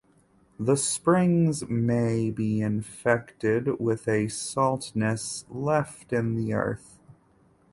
The springs may be infected with a saltness left in the earth.